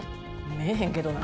見えへんけどな。